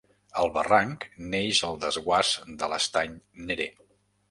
El barranc neix al desguàs de l'Estany Nere.